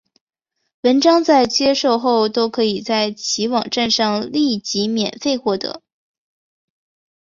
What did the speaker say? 文章在接受后都可以在其网站上立即免费获得。